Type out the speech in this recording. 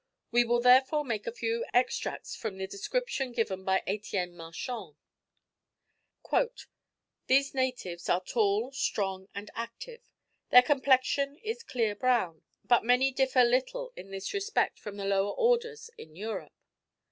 We will therefore make a few extracts from the description given by Etienne Marchand. "These natives are tall, strong, and active. Their complexion is clear brown, but many differ little in this respect from the lower orders in Europe.